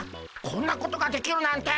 こんなことができるなんて。